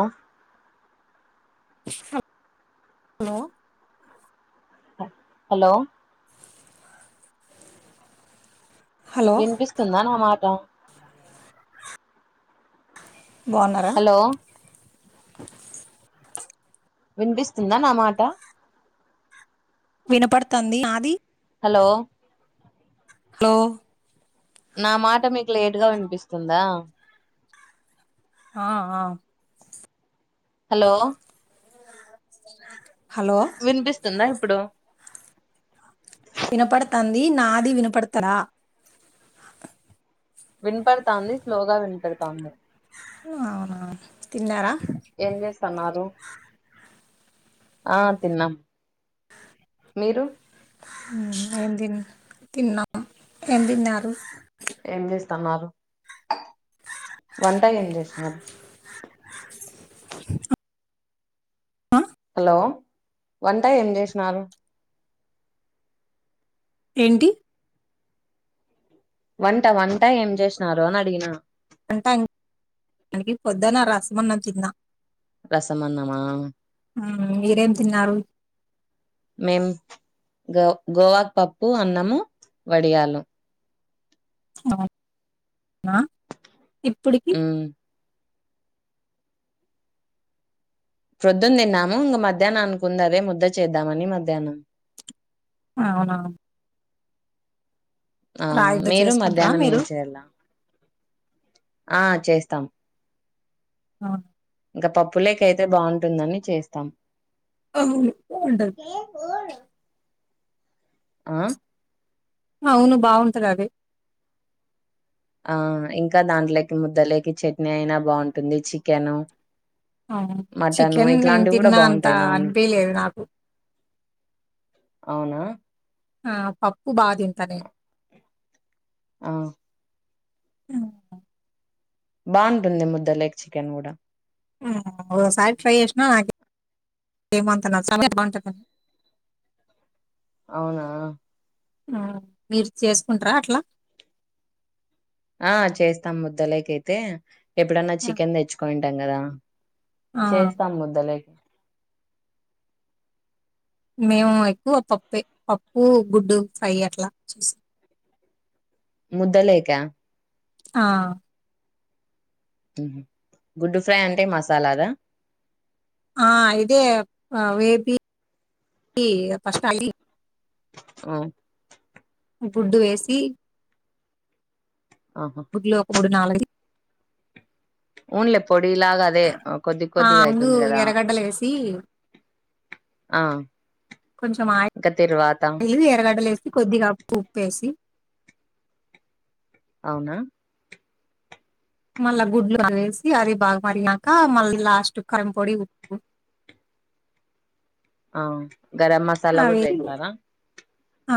ఆ hello hello hello వినిపిస్తుందా నా మాట బాగున్నారా హలో వినిపిస్తుందా నా మాట వినపడుతుంది నాది హలో హలో నా మాట మీకు లేటుగా విన్పిస్తుందా ఆ ఆ హలో స విన్పిస్తుందా ఇప్పుడు ది నాది వినపడతరా విన్పడతా ఉంది స్లో గా విన్పడతాంది అవునా తిన్నారా తన్నారు ఆ తిన్నాం మీరు ఉమ్ ఏం తిన్ తిన్నాం ఏం తిన్నారు ఏం చేస్తన్నారు వంట ఏం చేసినా [inaudible] హలో వంట ఏం చేషినారు ఏంటి వంట వంట ఏం చేసినారు అని అడిగినా అంటన్ [unintelligible] కి పొద్దున రసం అన్నం తిన్నా రసం అన్నమా ఉమ్ ఆ మీరేం తిన్నారు మేం గవ్ గోవాకు పప్పు అన్నము వడియాలు ఔ నా ఇప్పుడికి ఉమ్ ప్రొద్దున తిన్నాము ఇంగ మధ్యానానికి ఉంది అదే ముద్ద చేద్దామని మధ్యాహ్నం అవునా ఆ రాయితో మీరూ చేసుకుంటారా మధ్యానం మీరు ఏం చెయల్లా ఆ చేస్తాం ఔను ఇంక పప్పులేకైతే బావుంటుందని చేస్తాం అవును [inaudible] ఆ అవును బావుంటది అది ఆ ఇంకా దాంట్లోకి ముద్దలేకి చట్నీ అయినా బావుంటుంది చికెను అవును మటను చికెన్ నేను ఇట్లాంటివి కూడా తిన్నా అంత బాగుంటాయి నాన్ అన్పియ్యలేదు నాకు అవునా ఆ పప్పు బా తింతా నేను ఔ [unintelligible] బావుంటుంది ముద్దలేకి చికెన్ కూడా ఓసారి ట్రై చేసినా నాకి ఏం అంత నచ్చలే [inaudible] అవునా మీరు చేసుకుంటరా అట్లా ఆ చేస్తాం ముద్దలేకైతే ఎప్పుడన్నా చికెన్ తెచ్చుకోనింటాం కదా ఆ, చేస్తాం ముద్దలేకి మేము ఎక్కువ పప్పే పప్పు గుడ్డు ఫ్రై అట్లా చేస్ ముద్దలేేకా ఆ ఉహు గుడ్డు ఫ్రై అంటే మసాలాదా ఆ ఇదే వేపి ఫస్ట్ అలీ ఆ గుడ్డు వేసి ఆహా గుడ్లో ఒక మూడు నాలుగు ఊన్లే పొడి లాగా అదే కొద్ది ఆ, కొద్దిగా ముందు అయతుంది కదా ఎర్రగడ్డలు వేసి ఆ కొంచెం ఇంకా తిరువాత ఆయిల్ ఎర్రగడ్డలు వేసి కొద్దిగా ఉప్ ఉప్పు వేసి అవునా మళ్ళా గుడ్లు వేసి అది బాగా మరీగాక మళ్ళీ లాస్ట్ కారం పొడి ఉప్పు ఆ గరం మసాలా కూడా అవి వేస్తారా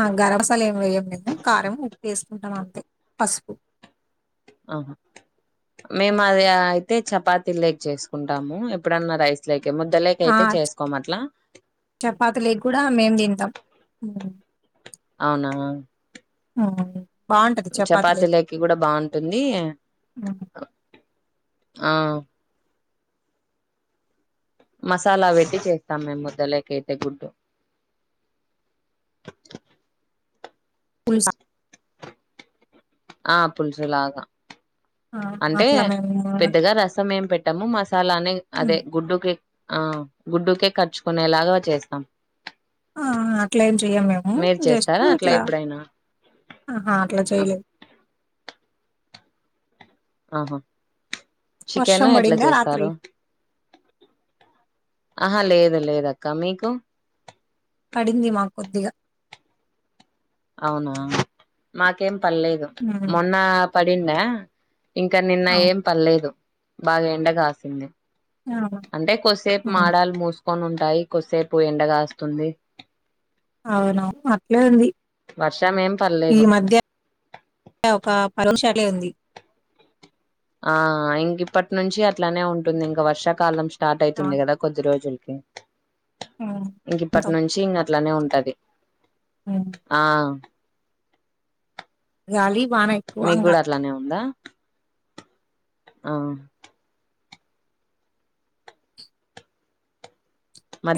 ఆ గరంమసాల ఏమి వేయం మేము కారం ఉప్పు వేసుకుంటాం అంతే పసుపు ఆహా మేము హ్మ్. అది కదా అయితే చపాతీ లేక్ చేసుకుంటాము ఎప్పుడన్నా రైస్ లేకి ముద్దలేకి అయితే చేసుకోము అట్లా చపాతి లేకి కూడా మేం తింటాం అవునా ఆ చపాతీ లేకి కూడా బాగుంటుంది హ్మ్. ఆ మసాలా పెట్టి చేస్తాం మేము ముద్దలేకి అయితే గుడ్డు పులుస ఆ పులూసు లాగా ఆ! అంటే అట్లా మేము పెద్దగా రసం ఏం పెట్టాము మసాలానే హ్మ్. అదే గుడ్డుకి ఆ గుడ్డుకే కర్చుకునేలాగా చేస్తాం ఆ అట్లే చేయము మేము మీరు జస్ట్ చేస్తారా అట్లా ఇట్లా ఎప్పుడైనా ఆహా అట్లా చేయలేము ఆహా చికెన్ వర్షం ఎట్లా పడిందా రాత్రి? చేస్తారు ఆహా లేదు లేద అక్క మీకు పడింది మాకి కొద్దిగా అవునా మాకేం పడలేదు హ్మ్. మొన్న పడిండ ఇంకా నిన్న అవును. ఏం పడలేదు బాగా ఎండ గాసింది అవును. అంటే కొద్ది సేపు హ్మ్. మాడాలు మూసుకు కొని ఉంటాయి కొద్సేపు ఎండ కాస్తుంది అవును అట్లే ఉంది వర్షం ఏం ఈ పర్లేదు మధ్య ఒక పరోష లేంది ఆ ఇంక ఇప్పటి నుంచి అట్లానే ఉంటుంది ఇంక వర్షాకాలం స్టార్ట్ ఆ! అయితుంది కదా కొద్ది రోజులు కి హ్మ్. ఇంక ఇప్పటి మొత్తం. నుంచి ఇంగా అట్లానే ఉంటది హ్మ్. ఆ గాలి వాన ఎక్కువ మీకు ఇంగ కూడా అట్లానే ఉందా ఆ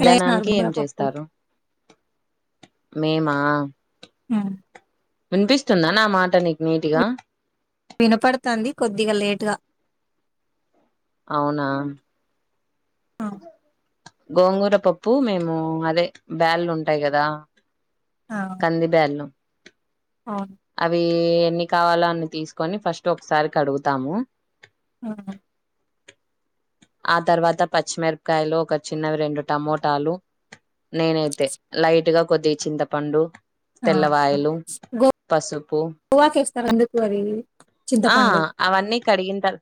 ఎలా చేసినారు బుగ్గర ఏం పప్పు చేస్తారు మేమా ఆమ్ వినిపిస్తుందా నా మాట నీకు నీటిగా వినపడతాంది కొద్దిగా లేటుగా అవునా ఆ, గోంగూర పప్పు మేము అదే బ్యాళ్లు ఉంటాయి కదా కంది బేల్లం ఆ ఎన్ని కావాలో అని తీసుకొని ఫస్ట్ ఒకసారి కడుగుతాము ఆ ఆ తర్వాత పచ్చిమిరపకాయలు ఒక చిన్నవి రెండు టమోటాలు నేనైతే లైట్ గా కొద్దిగా చింతపండు ఆ తెల్లవాయలు గో పసుపు గోవాకిస్తారు ఎందుకు అది ఆ చింతపండు అవన్నీ కడిగిన తారు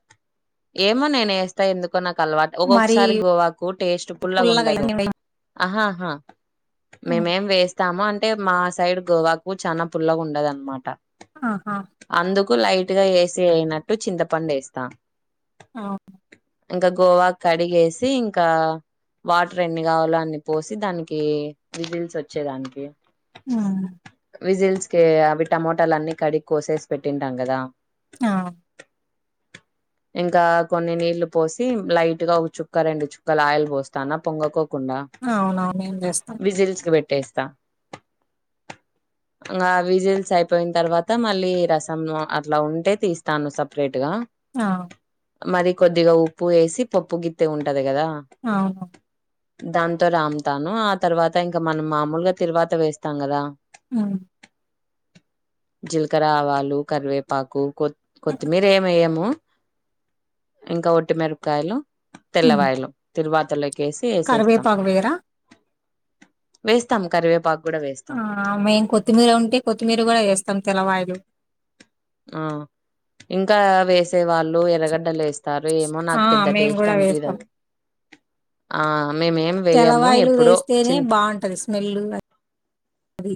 ఏమో నేనే వేస్తా ఎందుకు కొనకు అలవాటు మరి ఒక్కొక్కసారి గోవాకు టేస్ట్ పుల్లగా ఉండదు అయ్యింది వై- ఆహా ఆహా ఉమ్. మేమేం వేస్తాము అంటే మా సైడ్ గోవాకు చనా పుల్లగా ఉండదు అన్నమాట ఆహా లైట్ గా వేసి వేయనట్టు చింతపండు వేస్తా అ ఇంకా గోవా కడిగేసి ఇంకా వాటర్ ఎన్ని కావాలో అన్ని పోసి దానికి విజిల్స్ వచ్చేదానికి ఆమ్ విజిల్స్ కె అవి టమోటాలు అన్నీ కడిగి కోసేసి పెట్టింటాం కదా ఆ ఇంకా కొన్ని నీళ్లు పోసి లైట్ గా ఒక చుక్క రెండు చుక్కలు ఆయిల్ పోస్తాన్న పొంగకో కుండా అవునవును ఏం చేస్తాం విజిల్స్ కి పెట్టేస్తా ఇంకా విజిల్స్ అయిపోయిన తర్వాత మళ్ళీ రసం అట్లా ఉంటే తీస్తాను సపరేట్ గా ఆ మరి కొద్దిగా ఉప్పు వేసి పప్పు గిత్తే ఉంటది కదా అ దాంతో రాముతాను ఆ తర్వాత ఇంకా మనం మామూలుగా తిరువాత వేస్తాం కదా ఆమ్ జీలకర్ర ఆవాలు కరివేపాకు కొత్తి కోత్తమీర ఏం వేయ్యము ఇంకా ఒట్టిమిరపకాయలు ఉమ్. తెల్లవాయలు తిరువాతలోకి ఎసి వేసేస్తాం కరివేపాకు వేరా వేస్తాం కరివేపాకు కూడా వేస్తాం ఆ మేము కొత్తిమీర ఉంటే కొత్తిమీర కూడా వేస్తాం తెరువాయలు ఆ ఇంకా వేసి వేసే వాళ్ళు ఎర్రగడ్డలు వేస్తారు ఏమో నాకు ఆ పెద్ద మేము టేస్ట్ కూడా అనిపిదు వేస్తాం అది ఆ మేమేం వేయము తెలవాయలు ఎప్పుడో వేస్తేనే చిన్ బాగుంటది స్మెల్ అది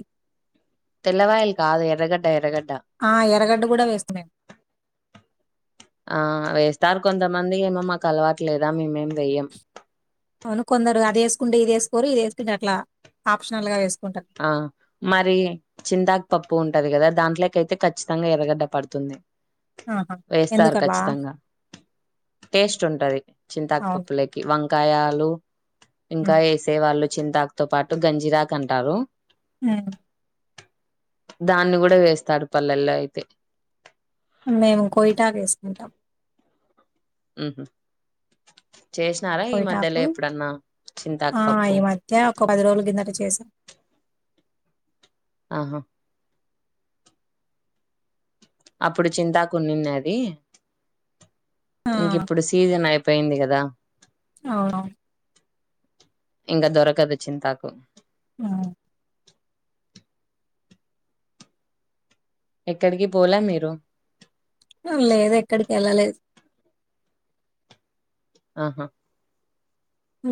తెల్లవయలు కాదు ఎర్రగడ్డ ఎర్రగట్ ఆ ఎరగడ్డ కూడా వేస్త మేము ఆ వేస్తారు కొంతమంది ఏమో మాకు అలవాట్ లేదా మేమేం వేయ్యం అవును కొందరు అది వేసుకుంటే ఇది వేసుకోరు ఇది వేసుకుంటే అట్లా ఆప్షనల్ గా వేసు ఆ మరి చింతకు పప్పు ఉంటాది కదా దాంట్లోకి అయితే ఖచ్చితంగా ఎరగడ్డ పడుతుంది ఆహా! వేస్తారు ఎందుకట్లా? ఖచ్చితంగా టేస్ట్ ఉంటాది చింతాకు అవును. పప్పులొకి వం కాయలు ఇంకా హ్మ్. వేసే వాళ్ళు చింతాకు తో పాటు గంజిరాకు అంటారు నా దాన్ని కూడా వేస్తారు పల్లెల్లో అయితే మేము కోయిటాకు వేసుకుంటాం మ్మ్ చేసినారా ఈ మధ్యలో కోయిటాకు ఎప్పుడన్నా చింతాకు ఆ! పప్పు ఈ మధ్య ఒక రోజుల కిందట చేశాం. ఆహా అప్పుడు చింతాకు ఉన్నిన్నాది ఆ! ఇంకి ఇప్పుడు సీజన్ అయిపోయింది కదా అవునవును. ఇంకా దొరకదు చింతాకు ఆ ఎక్కడికి పోలా మీరు లేదు ఎక్కడికి వెళ్ళలేదు ఆహా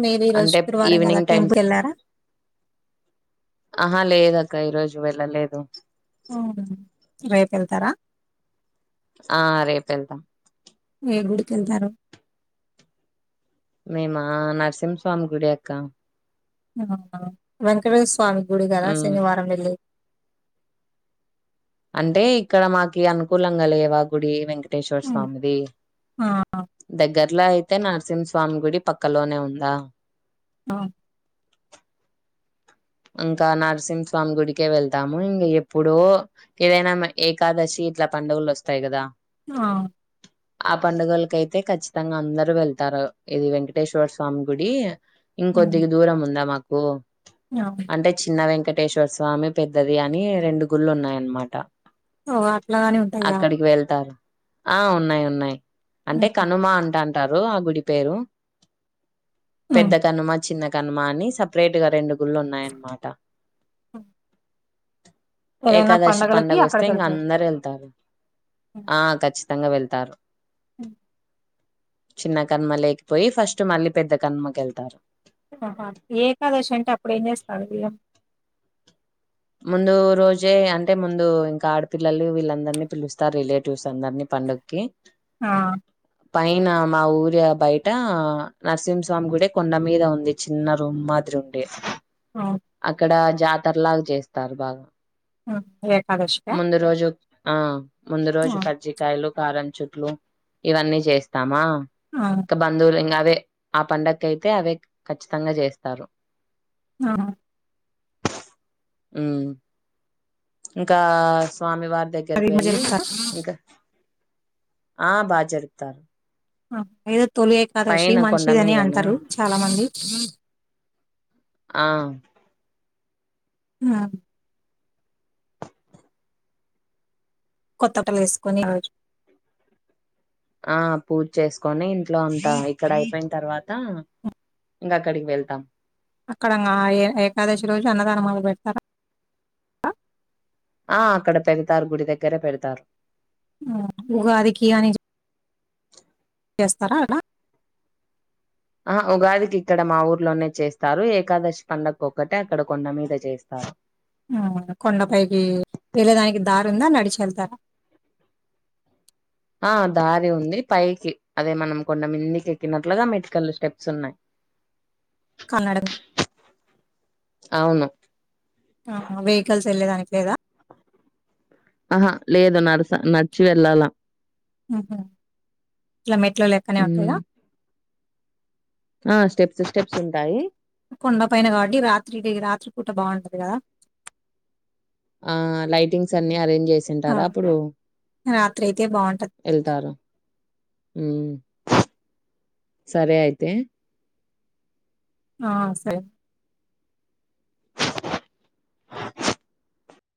మీరు ఈరోజు అంటే శుక్రవారం గదా! ఈవినింగ్ టైమ్స్ టెంపుల్‌కెళ్లారా? ఆహా లేదు ఇంకా ఈరోజు వెళ్ళలేదు ఆ రేపు వెళ్తారా ఆ రేపు వెళ్తాం ఏ గుడికి వెళ్తారు మీమా నరసింహస్వామి గుడి అక్క ఆ వెంకటేశ్వ స్వామి గుడి కదా ఉమ్ శనివారం వెళ్ళెది అంటే ఇక్కడ మాకి అనుకూలంగా లేవా గుడి వెంకట వెంటేశ్వర హ్మ్. స్వామిది ఆ! దగ్గర్లో అయితే నరసింహ స్వా స్వామి గుడి పక్కలోనే ఉందా ఆ! ఇంకా నరసింహస్వామి గుడికే వెళ్తాము ఇంకా ఎప్పుడో ఏదైనా ఏకాదశి ఇట్లా పండుగలు వస్తాయి కదా ఆ ఆ పండుగలకైతే ఖచ్చితంగా అందరు వెళ్తారు ఇది వెంకటేశ్వర స్వామి గుడి హ్మ్. ఇంకొద్దిగా దూరం ఉందా మాకు అవును. అంటే చిన్న వెంకట వెంటేశ్వర స్వామి పెద్దది అని రెండు గుళ్ళు ఉన్నాయ అన్నమాట ఓహ్! అట్లాగాని ఉంటాయా? అక్కడికి వెళ్తారు ఆ ఉన్నాయ్ ఉన్నాయ్ అంటే హుహు. కనుమ అంటాంటారు ఆ గుడి పేరు హ్మ్. పెద్ద కనుమ చిన్న కనుమ అని సపరేట్ గా రెండు గుళ్ళున్నాయి అన్నమాట ఆ ఏకాదశి పండగ వస్తే అక్కడికి ఇంకా వెళ్తారు అందరు వెళ్తారు ఆ ఖచ్చితంగా వెళ్తారు మ్మ్ చిన్న కనుమలేకి పోయి ఫస్ట్ మళ్ళీ పెద్ద కనుమకి వెళ్తారు ఆహా ఏకాదశి అంటే అప్పుడు ఏం చేస్తారు మీరు ముందు రోజే అంటే ముందు ఇంకా ఆడపిల్లలు వీళ్ళందరినీ పిలుస్తారు రిలేటివ్స్ అందరినీ పండక్కి ఆ పైన మా ఊరి బయట నర్సింహస్వామి గుడే కొండ మీద ఉంది చిన్న రూమ్ మాదిరి అవును అక్కడ జాతరలాగా చేస్తారు బాగా ఆ ఏ ముందు రోజు ఆ ముందు ఆ రోజు కజ్జికాయలు కారం చుట్లు ఇవన్నీ చేస్తామా ఆ ఇంకా బంధువులు ఇంకా వే ఆ పండగకు అయితే అవే ఖచ్చితంగా చేస్తారు ఆ ఇంకా స్వామి వారి అది దగ్గరకి ఎట్లా వెళ్ళి జరుపుతారు ఇంకా ఆ బా జరుపుతారు ఏదో తొలి ఏకాదశి పైన కొండ మంచిదని మీదనా అంటారు చాలా మంది ఆ ఆ కొత్తబట్టలు వేసుకొని రోజు ఆ పూజ చేసుకొని ఇంట్లో అంతా ఇక్కడ అయిపోయిన తర్వాత ఇంక అక్కడికి వెళ్తాం అక్కడ ఇంక ఏకాదశి రోజు అన్నదానం మొదలు పెడతారా ఆ అక్కడ పెడతారు గుడి దగ్గరే పెడతారు హ్మ్ ఉగాదికి అని చేస్తారా అలా ఆ ఉగాదికి ఇక్కడ మా ఊర్లోనే చేస్తారు ఏకాదశి పండగకి ఒక్కటే అక్కడ కొండ మీద చేస్తారు కొండపైకి వెళ్ళేదానికి దారి ఉందా నడిచి వెళ్తారా ఆ దారి ఉంది పైకి అదే మనం కొండ మందికి ఎక్కినట్లుగా మెడికల్లు స్టెప్స్ ఉన్నాయి [unintelligible] అవును వెహికల్స్ వెళ్ళేదానికి లేదా ఆహా లేదు నరస నడిచి వెళ్ళాలా ఊహూ ఇలా మెట్ల లెక్కనే ఉంటాయా ఉమ్ ఆ స్టెప్స్ స్టెప్స్ ఉంటాయి కొండపైన కాబట్టి రాత్రి రాత్రి పూట బాగుంటది కదా ఆ లైటింగ్స్ అన్ని అరేంజ్ ఆ, చేసిఉంటారు అప్పుడు రాత్రి అయితే బాగుంటది ఎళ్తారు హ్మ్ సరే అయితే ఆ సరే [unintelligible]